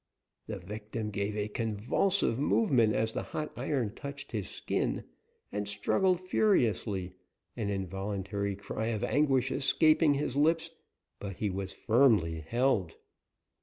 The victim gave a convulsive movement as the hot iron touched his skin, and struggled furiously, an involuntary cry of anguish escaping his lips, but he was firmly held.